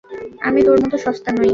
আমি তোর মত সস্তা নই।